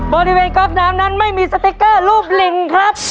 ก๊อกน้ำนั้นไม่มีสติ๊กเกอร์รูปลิงครับ